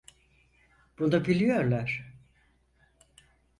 Bunu biliyorlar.